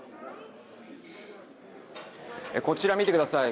こちら見てください。